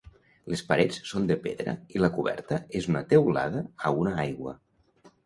Les parets són de pedra i la coberta és una teulada a una aigua.